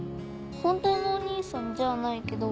本当のお兄さんじゃないけど。